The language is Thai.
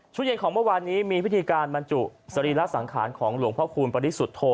ช่วงเย็นของเมื่อวานนี้มีพิธีการบรรจุสรีระสังขารของหลวงพ่อคูณปริสุทธโธ